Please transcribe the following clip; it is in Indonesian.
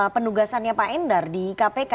penugasannya pak endar di kpk